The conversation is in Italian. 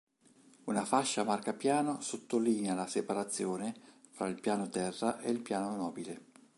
Una fascia marcapiano sottolinea la separazione fra il piano terra ed il piano nobile